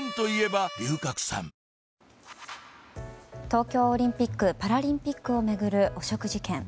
東京オリンピック・パラリンピックを巡る汚職事件。